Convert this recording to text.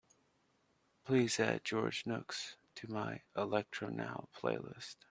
please add george nooks to my electronow playlist